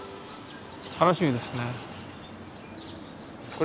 楽しみですね。